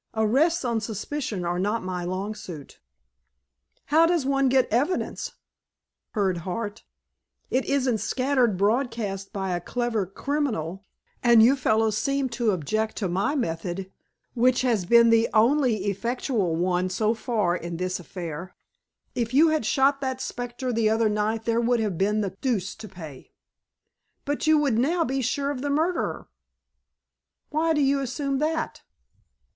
Arrests on suspicion are not my long suit." "How does one get evidence?" purred Hart. "It isn't scattered broadcast by a clever criminal. And you fellows seem to object to my method, which has been the only effectual one so far in this affair." "If you had shot that specter the other night there would have been the deuce to pay." "But you would now be sure of the murderer?" "Why do you assume that?"